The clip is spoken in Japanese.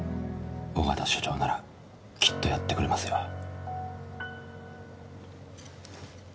緒方署長ならきっとやってくれますよ。